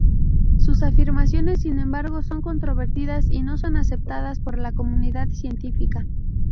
Sus afirmaciones, sin embargo, son controvertidas y no son aceptadas por la comunidad científica.